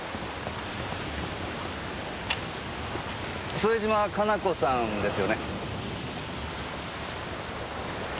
添島可奈子さんですよね？